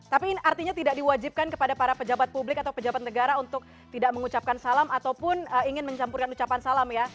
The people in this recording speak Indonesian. tapi artinya tidak diwajibkan kepada para pejabat publik atau pejabat negara untuk tidak mengucapkan salam ataupun ingin mencampurkan ucapan salam ya